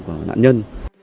của nạn nhân